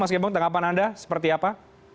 mas gembong tanggapan anda seperti apa